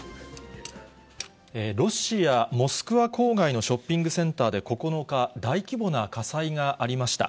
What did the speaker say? ロシア・モスクワ郊外のショッピングセンターで９日、大規模な火災がありました。